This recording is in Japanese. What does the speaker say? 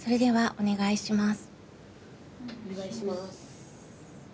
お願いします。